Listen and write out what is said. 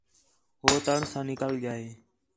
ہو تڑ ساں نِکل ڳِیا ہِے